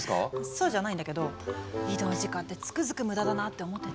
そうじゃないんだけど移動時間ってつくづく無駄だなって思ってて。